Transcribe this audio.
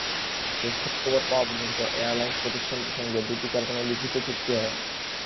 শেষ খবর পাওয়া পর্যন্ত এয়ারলাইনস প্রতিষ্ঠানটির সঙ্গে দীপিকার কোনো লিখিত চুক্তি হয়নি।